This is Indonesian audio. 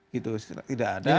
gitu tidak ada